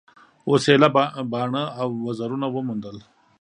اوس ایله باڼه او وزرونه وموندل.